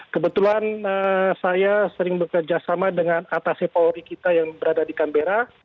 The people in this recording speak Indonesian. kebetulan saya sering bekerjasama dengan atase poweri kita yang berada di canberra